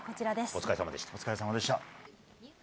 お疲れさまでした。